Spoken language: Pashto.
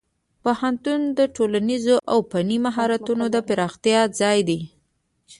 پوهنتون د ټولنیزو او فني مهارتونو د پراختیا ځای دی.